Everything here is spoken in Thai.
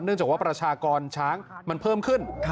จากว่าประชากรช้างมันเพิ่มขึ้น